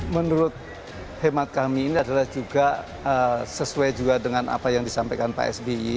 menurut hemat kami ini adalah juga sesuai juga dengan apa yang disampaikan pak sby